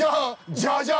ジャジャン！